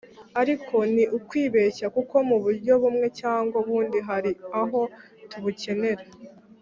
ariko ni ukwibeshya kuko mu buryo bumwe cyangwa ubundi hari aho tubukenera.